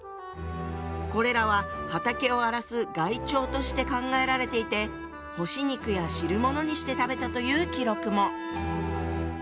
これらは畑を荒らす害鳥として考えられていて干し肉や汁物にして食べたという記録も。